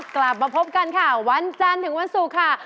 กลับมาพบกันค่ะวันจันทร์ถึงวันศุกร์ค่ะ